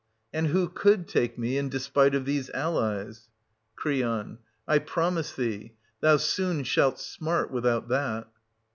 And who could take me in despite of these allies ? Cr. I promise thee, thou soon shalt smart without that.